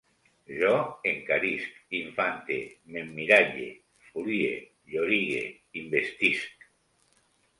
Jo encarisc, infante, m'emmiralle, folie, llorigue, investisc